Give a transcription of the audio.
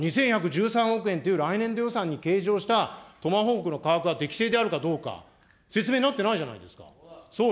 ２１１３億円という来年度予算に計上したトマホークの価格が適正であるかどうか、説明なってないんじゃないですか。